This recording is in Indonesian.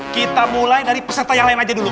kita mulai dari peserta yang lain aja dulu